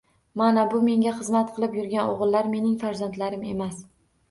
Mana bu menga xizmat qilib yurgan o`g`illar mening farzandlarim emas